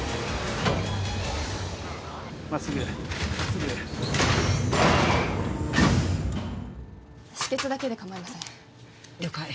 まっすぐまっすぐ止血だけでかまいません了解